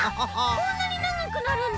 こんなにながくなるんだ！